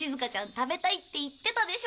食べたいって言ってたでしょ？